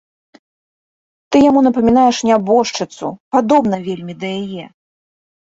Ты яму напамінаеш нябожчыцу, падобна вельмі да яе!